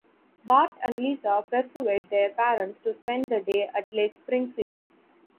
Bart and Lisa persuade their parents to spend the day at Lake Springfield.